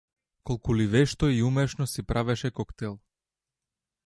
Колку ли вешто и умешно си правеше коктел!